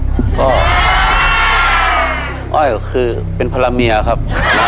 อ้อยก็คือเป็นพระเมียครับ